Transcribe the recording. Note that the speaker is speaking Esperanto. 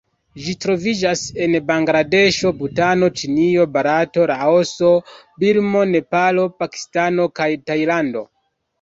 Ĝi troviĝas en Bangladeŝo, Butano, Ĉinio, Barato, Laoso, Birmo, Nepalo, Pakistano kaj Tajlando.